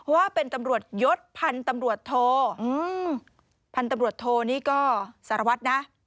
ว่าเป็นตำรวจยศพันธุ์ตำรวจโทพันธุ์ตำรวจโทนี่ก็สารวัตรนะ